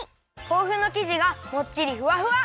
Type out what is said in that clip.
とうふのきじがもっちりふわふわ！